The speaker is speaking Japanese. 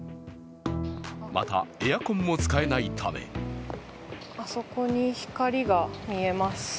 また、エアコンも使えないためあそこに光が見えます。